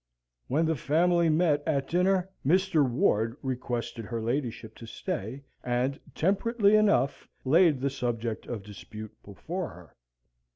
When the family met at dinner, Mr. Ward requested her ladyship to stay, and, temperately enough, laid the subject of dispute before her.